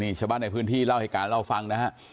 นี่ชะบะในพื้นที่เล่าให้การเล่าฟังนะฮะ